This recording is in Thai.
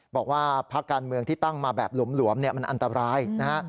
บอกว่าพักการเมืองที่ตั้งมาแบบหลวมมันอันตรายนะฮะ